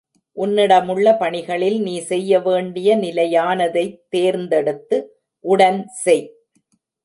உன்னிடமுள்ள பணிகளில் நீ செய்ய வேண்டிய நிலையானதைத் தேர்ந்தெடுத்து உடன் செய்.